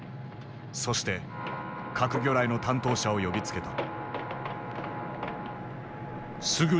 そして核魚雷の担当者を呼びつけた。